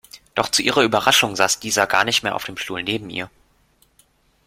Doch zu ihrer Überraschung saß dieser gar nicht mehr auf dem Stuhl neben ihr.